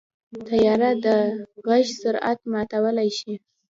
طیاره د غږ سرعت ماتولی شي.